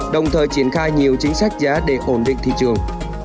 đồng thời triển khai nhiều chính sách giá để ổn định thị trường